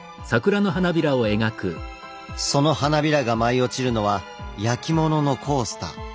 その花びらが舞い落ちるのは焼き物のコースター。